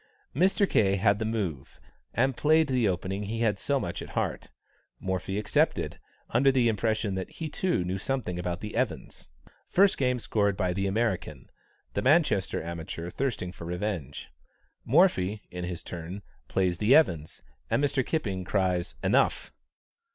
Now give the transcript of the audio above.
Mr. K. had the move, and played the opening he has so much at heart; Morphy accepted, under the impression that he, too, knew something about the Evans'. First game scored by the American, the Manchester amateur thirsting for revenge. Morphy, in his turn, plays the Evans', and Mr. Kipping cries "enough."